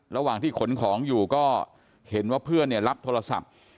ระหว่างที่ขนของอยู่ก็เห็นว่าเพื่อนเนี่ยรับโทรศัพท์